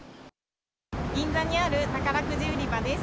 銀座にある宝くじ売り場です。